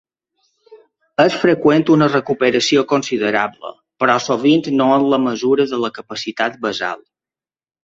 És freqüent una recuperació considerable, però sovint no en la mesura de la capacitat basal.